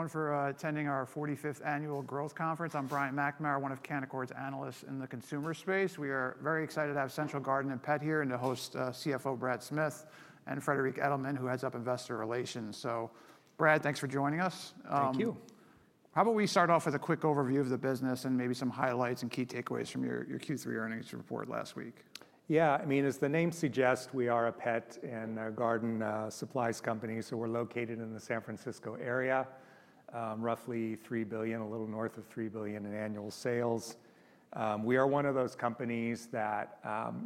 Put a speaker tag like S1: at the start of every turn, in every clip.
S1: Thank you for attending our 45th Annual Growth Conference. I'm Brian McNamara, one of Canaccord's analysts in the consumer space. We are very excited to have Central Garden & Pet here and to host CFO Brad Smith and Friederike Edelmann, who heads up investor relations. Brad, thanks for joining us.
S2: Thank you.
S1: How about we start off with a quick overview of the business and maybe some highlights and key takeaways from your Q3 earnings report last week?
S2: Yeah, I mean, as the name suggests, we are a pet and a garden supplies company. We're located in the San Francisco area, roughly $3 billion, a little north of $3 billion in annual sales. We are one of those companies that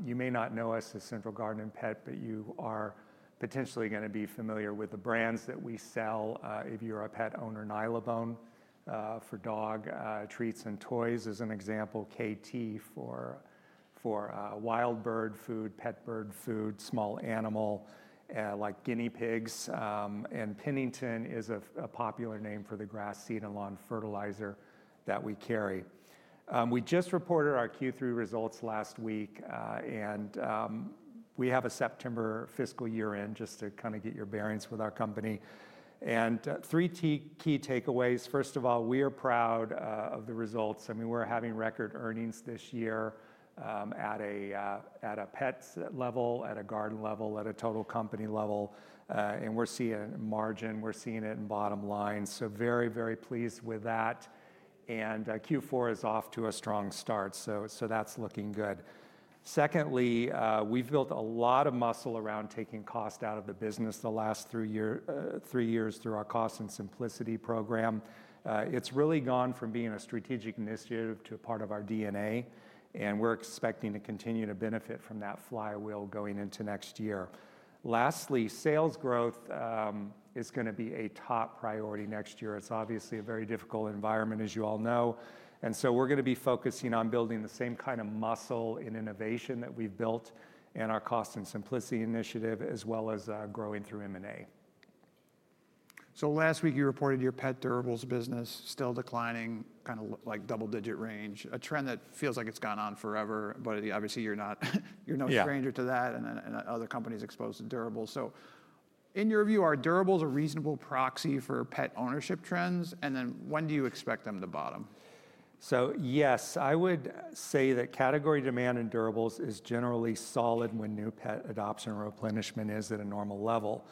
S2: you may not know us as Central Garden & Pet, but you are potentially going to be familiar with the brands that we sell. If you're a pet owner, Nylabone for dog treats and toys is an example, Kaytee for wild bird food, pet bird food, small animal like guinea pigs, and Pennington is a popular name for the grass seed and lawn fertilizer that we carry. We just reported our Q3 results last week, and we have a September fiscal year end just to kind of get your bearings with our company. Three key takeaways. First of all, we are proud of the results. I mean, we're having record earnings this year at a pet level, at a garden level, at a total company level, and we're seeing margin, we're seeing it in bottom line. Very, very pleased with that. Q4 is off to a strong start. That's looking good. Secondly, we've built a lot of muscle around taking cost out of the business the last three years through our Cost and Simplicity program. It's really gone from being a strategic initiative to a part of our DNA, and we're expecting to continue to benefit from that flywheel going into next year. Lastly, sales growth is going to be a top priority next year. It's obviously a very difficult environment, as you all know. We're going to be focusing on building the same kind of muscle and innovation that we've built in our Cost and Simplicity initiative, as well as growing through M&A.
S1: Last week you reported your pet durables business still declining, kind of like double-digit range, a trend that feels like it's gone on forever. Obviously, you're not, you're no stranger to that. Other companies exposed to durables. In your view, are durables a reasonable proxy for pet ownership trends? When do you expect them to bottom?
S2: Yes, I would say that category demand in durables is generally solid when new pet adoption or replenishment is at a normal level.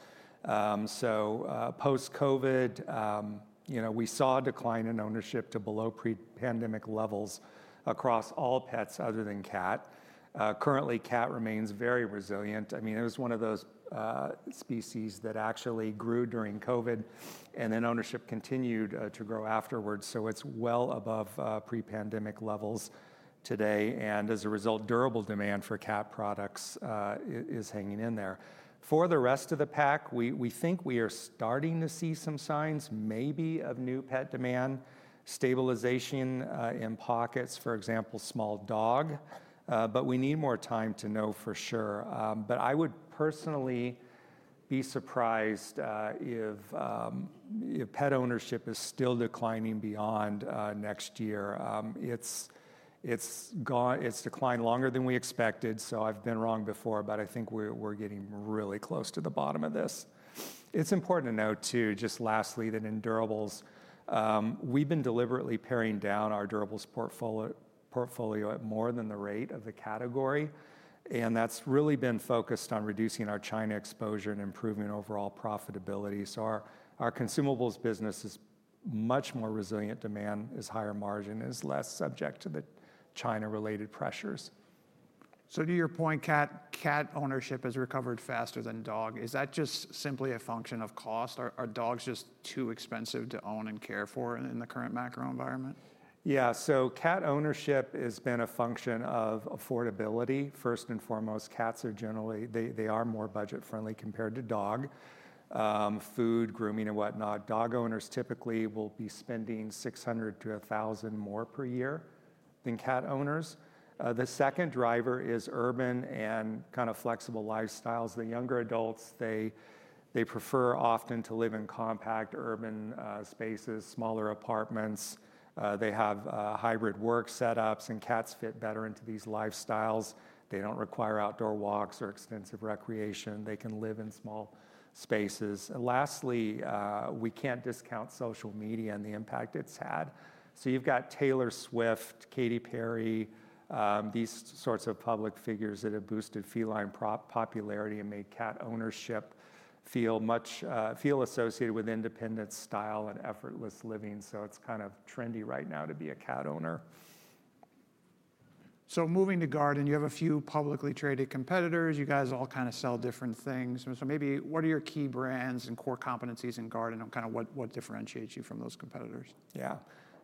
S2: Post-COVID, we saw a decline in ownership to below pre-pandemic levels across all pets other than cat. Currently, cat remains very resilient. It was one of those species that actually grew during COVID, and then ownership continued to grow afterwards. It is well above pre-pandemic levels today. As a result, durable demand for cat products is hanging in there. For the rest of the pack, we think we are starting to see some signs maybe of new pet demand, stabilization in pockets, for example, small dog. We need more time to know for sure. I would personally be surprised if pet ownership is still declining beyond next year. It has declined longer than we expected. I have been wrong before, but I think we are getting really close to the bottom of this. It is important to note, too, just lastly, that in durables, we have been deliberately paring down our durables portfolio at more than the rate of the category. That has really been focused on reducing our China exposure and improving overall profitability. Our consumables business is much more resilient. Demand is higher, margin is less subject to the China-related pressures.
S1: To your point, cat ownership has recovered faster than dog. Is that just simply a function of cost? Are dogs just too expensive to own and care for in the current macro environment?
S2: Yeah, so cat ownership has been a function of affordability. First and foremost, cats are generally, they are more budget-friendly compared to dog. Food, grooming, and whatnot. Dog owners typically will be spending $600-$1,000 more per year than cat owners. The second driver is urban and kind of flexible lifestyles. The younger adults, they prefer often to live in compact urban spaces, smaller apartments. They have hybrid work setups, and cats fit better into these lifestyles. They don't require outdoor walks or extensive recreation. They can live in small spaces. Lastly, we can't discount social media and the impact it's had. You've got Taylor Swift, Katy Perry, these sorts of public figures that have boosted feline popularity and made cat ownership feel much, feel associated with independent style and effortless living. It's kind of trendy right now to be a cat owner.
S1: Moving to garden, you have a few publicly traded competitors. You guys all kind of sell different things. Maybe what are your key brands and core competencies in garden, and what differentiates you from those competitors?
S2: Yeah,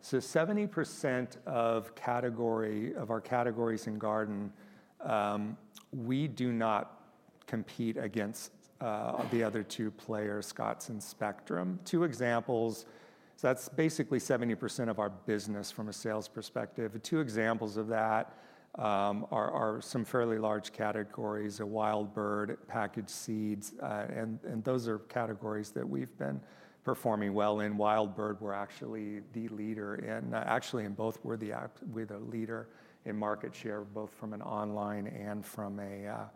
S2: so 70% of our categories in garden, we do not compete against the other two players, Scotts and Spectrum. Two examples. That's basically 70% of our business from a sales perspective. The two examples of that are some fairly large categories: wild bird, packet seed, and those are categories that we've been performing well in. Wild bird, we're actually the leader in, actually in both, we're the leader in market share, both from an online and from a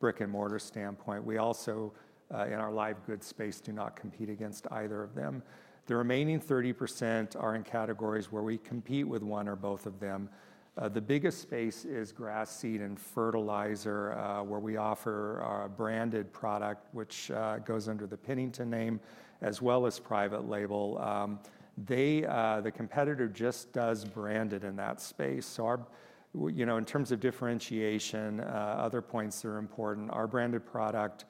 S2: brick-and-mortar standpoint. We also, in our live goods space, do not compete against either of them. The remaining 30% are in categories where we compete with one or both of them. The biggest space is grass seed and fertilizer, where we offer a branded product, which goes under the Pennington name, as well as private label. The competitor just does branded in that space. In terms of differentiation, other points are important. Our branded product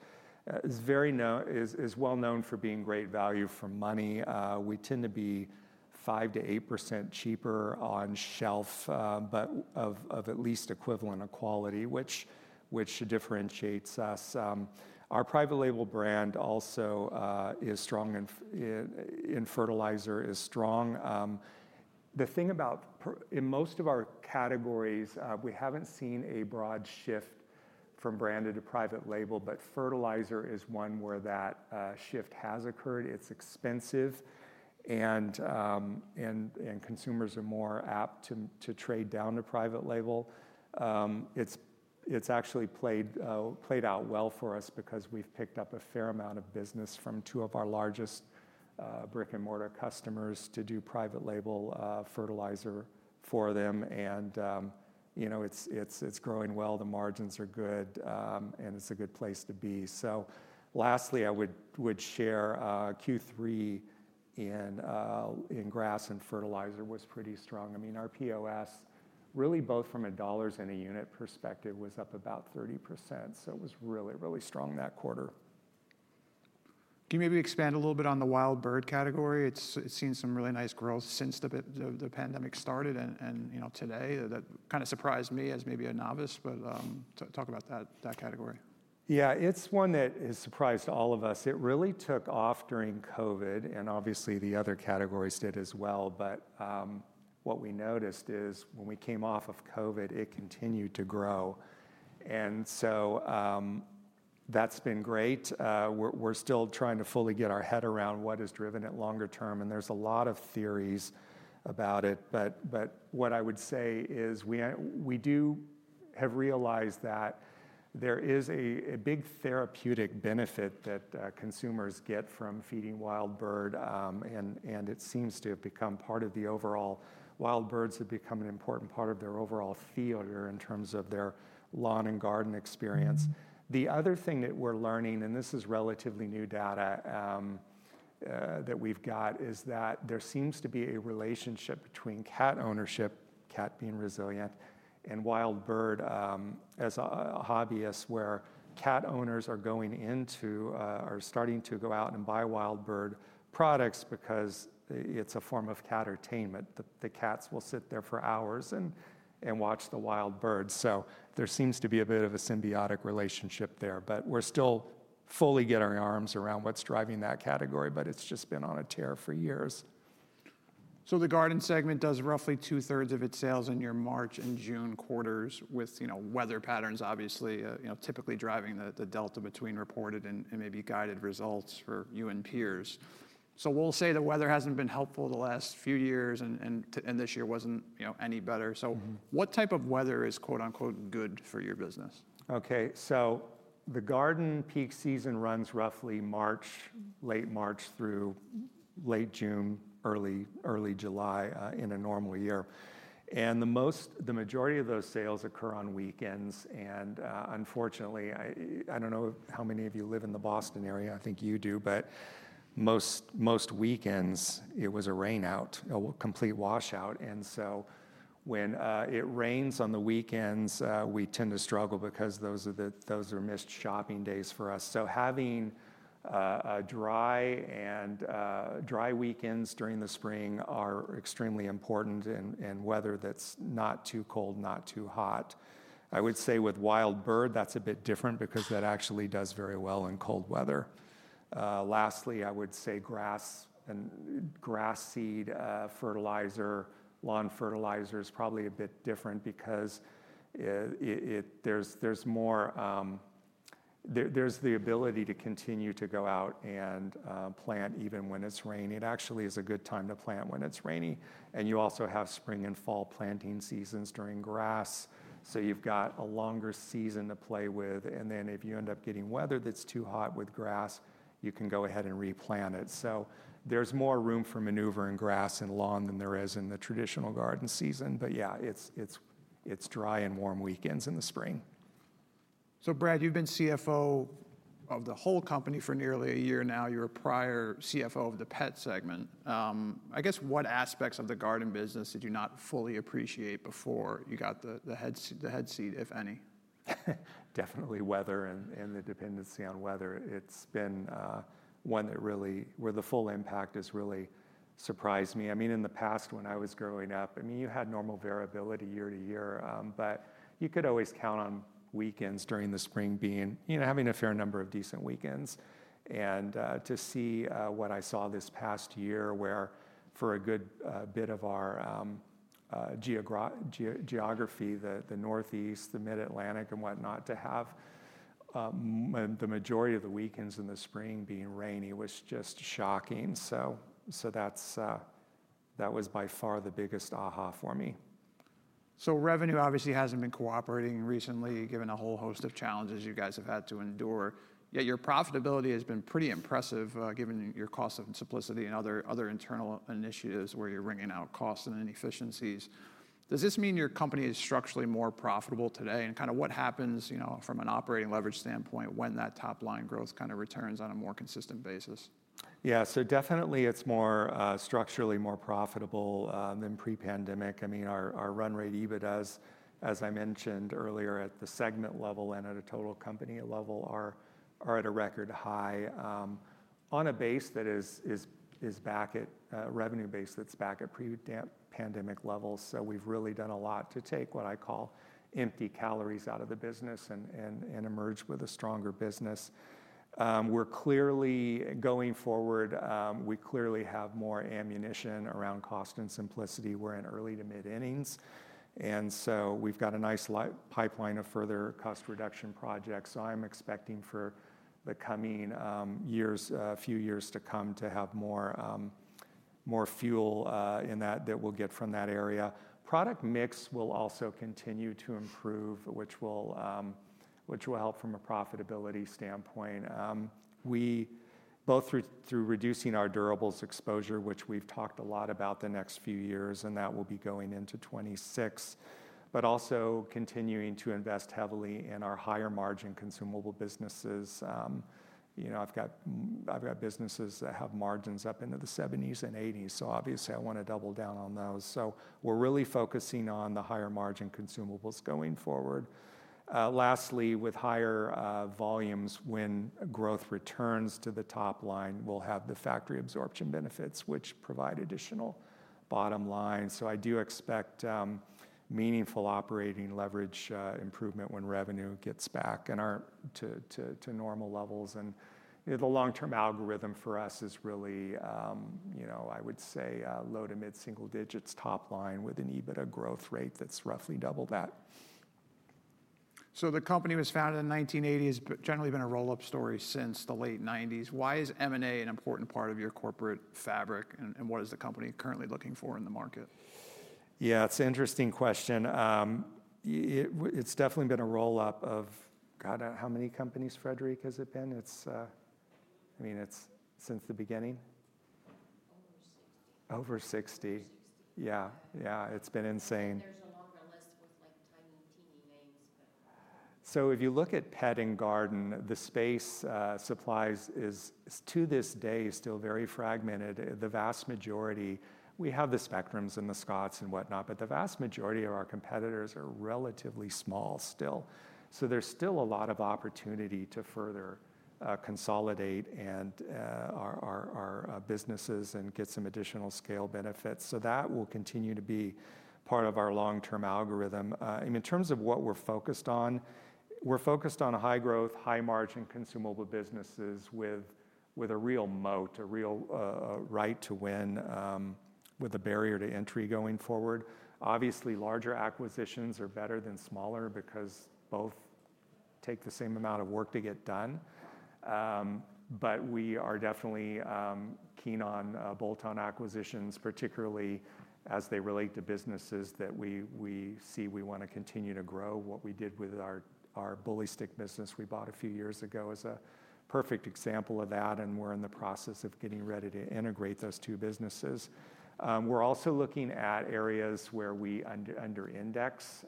S2: is well known for being great value for money. We tend to be 5%-8% cheaper on shelf, but of at least equivalent quality, which differentiates us. Our private label brand also is strong, and fertilizer is strong. In most of our categories, we haven't seen a broad shift from branded to private label, but fertilizer is one where that shift has occurred. It's expensive, and consumers are more apt to trade down to private label. It's actually played out well for us because we've picked up a fair amount of business from two of our largest brick-and-mortar customers to do private label fertilizer for them. It's growing well. The margins are good, and it's a good place to be. Lastly, I would share Q3 in grass and fertilizer was pretty strong. Our POS, really both from a dollars and a unit perspective, was up about 30%. It was really, really strong that quarter.
S1: Can you maybe expand a little bit on the wild bird category? It's seen some really nice growth since the pandemic started. You know, today that kind of surprised me as maybe a novice, but talk about that category.
S2: Yeah, it's one that has surprised all of us. It really took off during COVID, and obviously the other categories did as well. What we noticed is when we came off of COVID, it continued to grow, and that's been great. We're still trying to fully get our head around what has driven it longer term. There are a lot of theories about it. What I would say is we do have realized that there is a big therapeutic benefit that consumers get from feeding wild bird, and it seems to have become part of the overall, wild birds have become an important part of their overall theater in terms of their lawn and garden experience. The other thing that we're learning, and this is relatively new data that we've got, is that there seems to be a relationship between cat ownership, cat being resilient, and wild bird as a hobbyist where cat owners are going into, are starting to go out and buy wild bird products because it's a form of cat entertainment. The cats will sit there for hours and watch the wild birds. There seems to be a bit of a symbiotic relationship there. We're still fully getting our arms around what's driving that category. It's just been on a tear for years.
S1: The garden segment does roughly two-thirds of its sales in your March and June quarters, with weather patterns typically driving the delta between reported and maybe guided results for you and peers. The weather hasn't been helpful the last few years, and this year wasn't any better. What type of weather is "good" for your business?
S2: Okay, so the garden peak season runs roughly March, late March through late June, early, early July in a normal year. The majority of those sales occur on weekends. Unfortunately, I don't know how many of you live in the Boston area. I think you do. Most weekends it was a rain out, a complete washout. When it rains on the weekends, we tend to struggle because those are missed shopping days for us. Having dry and dry weekends during the spring are extremely important in weather that's not too cold, not too hot. I would say with wild bird, that's a bit different because that actually does very well in cold weather. Lastly, I would say grass and grass seed fertilizer, lawn fertilizer is probably a bit different because there's more, there's the ability to continue to go out and plant even when it's raining. It actually is a good time to plant when it's rainy. You also have spring and fall planting seasons during grass, so you've got a longer season to play with. If you end up getting weather that's too hot with grass, you can go ahead and replant it. There's more room for maneuver in grass and lawn than there is in the traditional garden season. It's dry and warm weekends in the spring.
S1: Brad, you've been CFO of the whole company for nearly a year now. You're a prior CFO of the pet segment. I guess what aspects of the garden business did you not fully appreciate before you got the head seat, if any?
S2: Definitely weather and the dependency on weather. It's been one that really, where the full impact has really surprised me. I mean, in the past when I was growing up, you had normal variability year to year, but you could always count on weekends during the spring being, you know, having a fair number of decent weekends. To see what I saw this past year, where for a good bit of our geography, the Northeast, the Mid-Atlantic, and whatnot, to have the majority of the weekends in the spring being rainy was just shocking. That was by far the biggest aha for me.
S1: Revenue obviously hasn't been cooperating recently, given a whole host of challenges you guys have had to endure. Yet your profitability has been pretty impressive, given your Cost and Simplicity and other internal initiatives where you're ringing out costs and inefficiencies. Does this mean your company is structurally more profitable today? What happens, you know, from an operating leverage standpoint when that top line growth kind of returns on a more consistent basis?
S2: Yeah, so definitely it's more structurally more profitable than pre-pandemic. I mean, our run rate EBITDA, as I mentioned earlier, at the segment level and at a total company level are at a record high on a base that is back at revenue base that's back at pre-pandemic levels. We've really done a lot to take what I call empty calories out of the business and emerge with a stronger business. We're clearly going forward. We clearly have more ammunition around Cost and Simplicity. We're in early to mid innings, and we've got a nice pipeline of further cost reduction projects. I'm expecting for the coming years, a few years to come, to have more fuel in that that we'll get from that area. Product mix will also continue to improve, which will help from a profitability standpoint. We both through reducing our durables exposure, which we've talked a lot about the next few years, and that will be going into 2026, but also continuing to invest heavily in our higher margin consumable businesses. I've got businesses that have margins up into the 70% and 80%. Obviously I want to double down on those. We're really focusing on the higher margin consumables going forward. Lastly, with higher volumes, when growth returns to the top line, we'll have the factory absorption benefits, which provide additional bottom line. I do expect meaningful operating leverage improvement when revenue gets back to normal levels. The long-term algorithm for us is really, I would say, low to mid single digits top line with an EBITDA growth rate that's roughly double that.
S1: The company was founded in the 1980s, but generally been a roll-up story since the late 1990s. Why is M&A an important part of your corporate fabric, and what is the company currently looking for in the market?
S2: Yeah, it's an interesting question. It's definitely been a roll-up of, God, how many companies, Friederike, has it been? It's, I mean, it's since the beginning. Over 60. Yeah, yeah, it's been insane.
S3: There's a long list with tiny, teeny names.
S2: If you look at pet and garden, the space supplies is to this day still very fragmented. The vast majority, we have the Spectrum and the Scotts and whatnot, but the vast majority of our competitors are relatively small still. There is still a lot of opportunity to further consolidate and our businesses and get some additional scale benefits. That will continue to be part of our long-term algorithm. In terms of what we're focused on, we're focused on high growth, high margin consumable businesses with a real moat, a real right to win with a barrier to entry going forward. Obviously, larger acquisitions are better than smaller because both take the same amount of work to get done. We are definitely keen on bolt-on acquisitions, particularly as they relate to businesses that we see we want to continue to grow. What we did with our ballistic business we bought a few years ago is a perfect example of that, and we're in the process of getting ready to integrate those two businesses. We're also looking at areas where we under-index,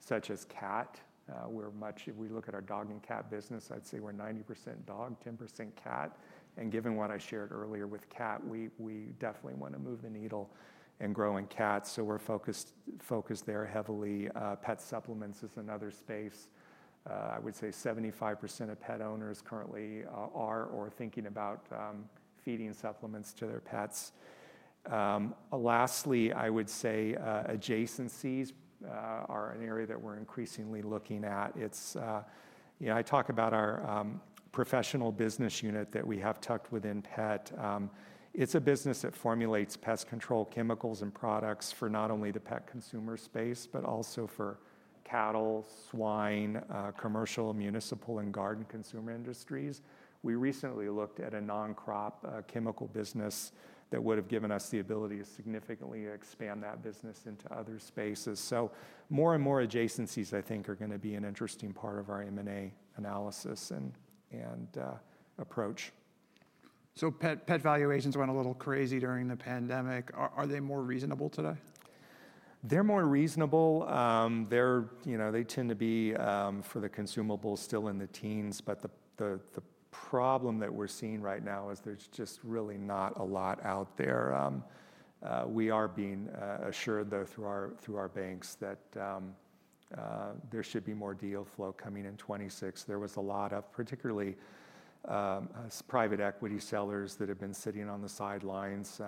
S2: such as cat. If we look at our dog and cat business, I'd say we're 90% dog, 10% cat. Given what I shared earlier with cat, we definitely want to move the needle and grow in cat. We're focused there heavily. Pet supplements is another space. I would say 75% of pet owners currently are or are thinking about feeding supplements to their pets. Lastly, I would say adjacencies are an area that we're increasingly looking at. I talk about our professional business unit that we have tucked within pet. It's a business that formulates pest control chemicals and products for not only the pet consumer space, but also for cattle, swine, commercial, municipal, and garden consumer industries. We recently looked at a non-crop chemical business that would have given us the ability to significantly expand that business into other spaces. More and more adjacencies, I think, are going to be an interesting part of our M&A analysis and approach.
S1: Pet valuations went a little crazy during the pandemic. Are they more reasonable today?
S2: They're more reasonable. They tend to be for the consumables still in the teens. The problem that we're seeing right now is there's just really not a lot out there. We are being assured, though, through our banks, that there should be more deal flow coming in 2026. There was a lot of particularly private equity sellers that have been sitting on the sidelines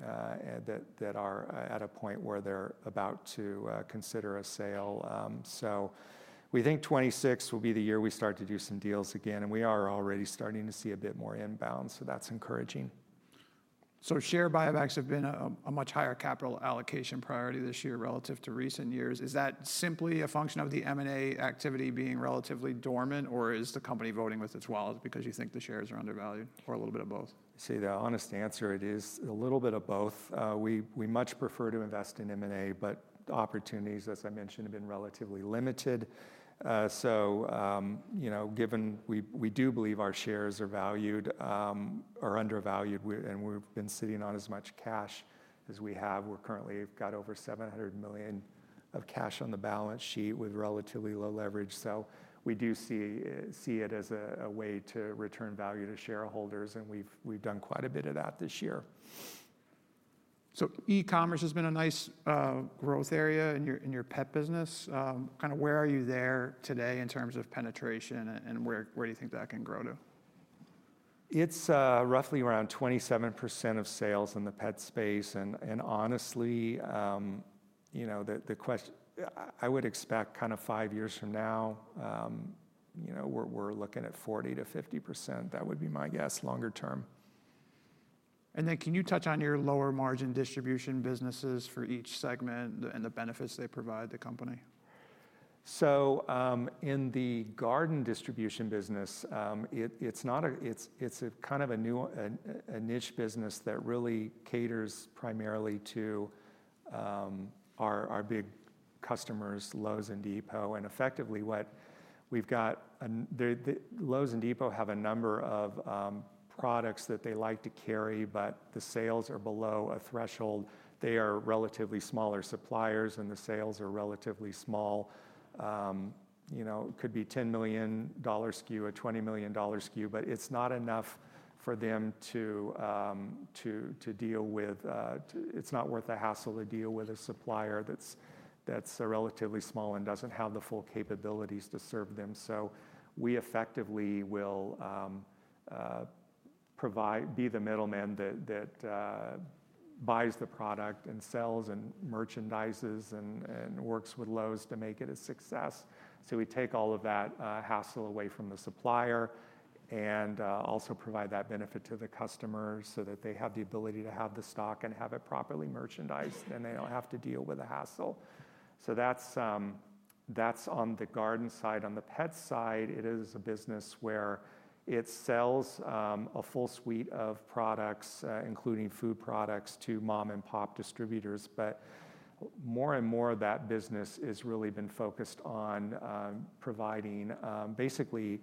S2: that are at a point where they're about to consider a sale. We think 2026 will be the year we start to do some deals again, and we are already starting to see a bit more inbound. That's encouraging.
S1: Share buybacks have been a much higher capital allocation priority this year relative to recent years. Is that simply a function of the M&A activity being relatively dormant, or is the company voting with its wallet because you think the shares are undervalued, or a little bit of both?
S2: I say the honest answer, it is a little bit of both. We much prefer to invest in M&A, but opportunities, as I mentioned, have been relatively limited. You know, given we do believe our shares are undervalued, and we've been sitting on as much cash as we have. We're currently got over $700 million of cash on the balance sheet with relatively low leverage. We do see it as a way to return value to shareholders, and we've done quite a bit of that this year.
S1: E-commerce has been a nice growth area in your pet business. Where are you there today in terms of penetration, and where do you think that can grow to?
S2: It's roughly around 27% of sales in the pet space. Honestly, you know, the question I would expect kind of five years from now, you know, we're looking at 40%-50%. That would be my guess longer term.
S1: Can you touch on your lower margin distribution businesses for each segment and the benefits they provide the company?
S2: In the garden distribution business, it's kind of a new, a niche business that really caters primarily to our big customers, Lowe's and Depot. Effectively, what we've got, Lowe's and Depot have a number of products that they like to carry, but the sales are below a threshold. They are relatively smaller suppliers, and the sales are relatively small. You know, it could be a $10 million SKU, a $20 million SKU, but it's not enough for them to deal with, it's not worth the hassle to deal with a supplier that's relatively small and doesn't have the full capabilities to serve them. We effectively will provide, be the middleman that buys the product and sells and merchandises and works with Lowe's to make it a success. We take all of that hassle away from the supplier and also provide that benefit to the customers so that they have the ability to have the stock and have it properly merchandised, and they don't have to deal with the hassle. That's on the garden side. On the pet side, it is a business where it sells a full suite of products, including food products to mom and pop distributors. More and more of that business has really been focused on providing, basically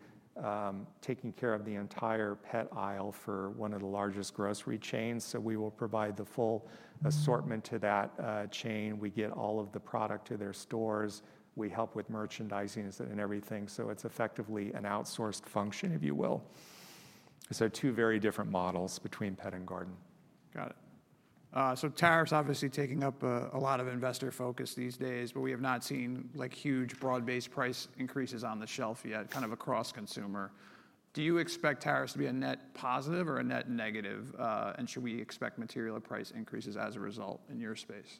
S2: taking care of the entire pet aisle for one of the largest grocery chains. We will provide the full assortment to that chain. We get all of the product to their stores. We help with merchandising and everything. It's effectively an outsourced function, if you will. Two very different models between pet and garden.
S1: Got it. Tariffs obviously taking up a lot of investor focus these days, but we have not seen like huge broad-based price increases on the shelf yet, kind of across consumer. Do you expect tariffs to be a net positive or a net negative? Should we expect material price increases as a result in your space?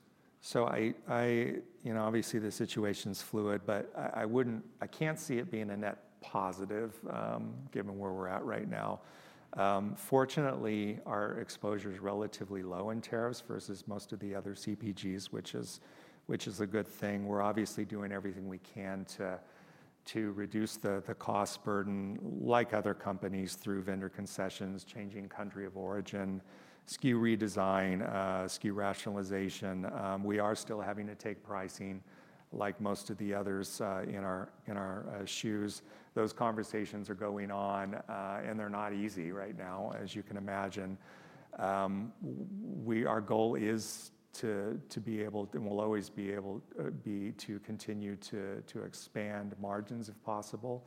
S2: Obviously, the situation's fluid, but I can't see it being a net positive given where we're at right now. Fortunately, our exposure is relatively low in tariffs versus most of the other CPGs, which is a good thing. We're obviously doing everything we can to reduce the cost burden, like other companies through vendor concessions, changing country of origin, SKU redesign, SKU rationalization. We are still having to take pricing like most of the others in our shoes. Those conversations are going on, and they're not easy right now, as you can imagine. Our goal is to be able to, and will always be able to continue to expand margins if possible.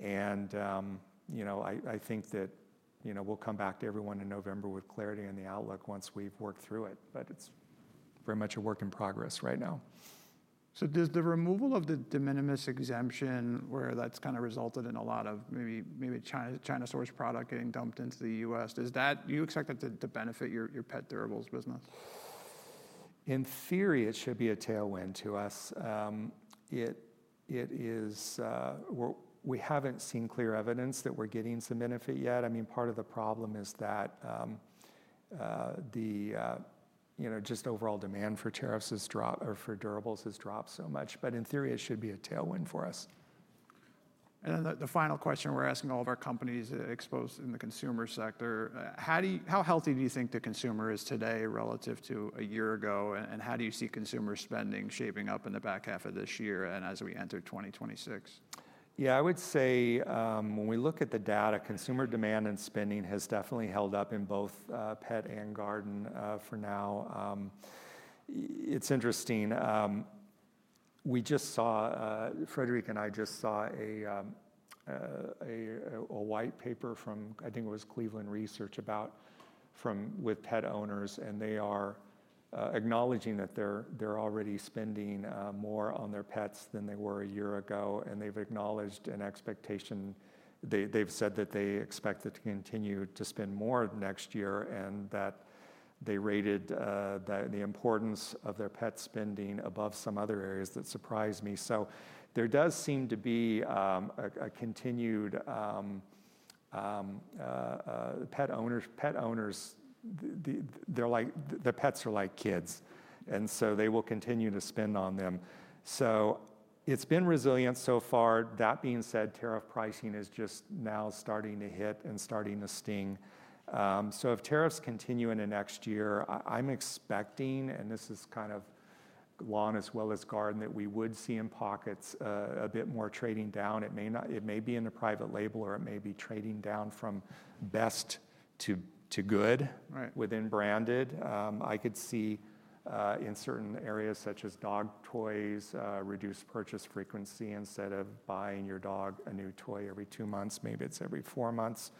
S2: I think that we'll come back to everyone in November with clarity on the outlook once we've worked through it. It's very much a work in progress right now.
S1: Does the removal of the de minimis exemption, where that's kind of resulted in a lot of maybe China-sourced product getting dumped into the U.S., do you expect that to benefit your pet durables business?
S2: In theory, it should be a tailwind to us. We haven't seen clear evidence that we're getting some benefit yet. Part of the problem is that just overall demand for tariffs has dropped or for durables has dropped so much. In theory, it should be a tailwind for us.
S1: The final question we're asking all of our companies exposed in the consumer sector is how healthy do you think the consumer is today relative to a year ago? How do you see consumer spending shaping up in the back half of this year and as we enter 2026?
S2: Yeah, I would say when we look at the data, consumer demand and spending has definitely held up in both pet and garden for now. It's interesting. We just saw, Friederike and I just saw a white paper from, I think it was Cleveland Research about from pet owners, and they are acknowledging that they're already spending more on their pets than they were a year ago. They've acknowledged an expectation. They've said that they expect to continue to spend more next year and that they rated the importance of their pet spending above some other areas that surprised me. There does seem to be a continued pet owners. They're like, the pets are like kids, and they will continue to spend on them. It's been resilient so far. That being said, tariff pricing is just now starting to hit and starting to sting. If tariffs continue in the next year, I'm expecting, and this is kind of lawn as well as garden, that we would see in pockets a bit more trading down. It may be in the private label or it may be trading down from best to good within branded. I could see in certain areas such as dog toys, reduced purchase frequency instead of buying your dog a new toy every two months. Maybe it's every four months.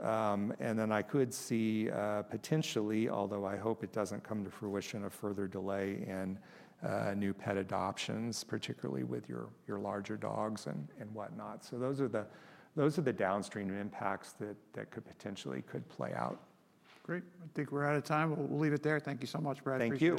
S2: I could see potentially, although I hope it doesn't come to fruition, a further delay in new pet adoptions, particularly with your larger dogs and whatnot. Those are the downstream impacts that could potentially play out.
S1: Great. I think we're out of time. We'll leave it there. Thank you so much, Brad.
S2: Thank you.